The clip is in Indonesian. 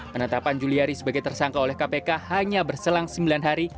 penetapan juliari sebagai tersangka oleh kpk hanya berselang sembilan hari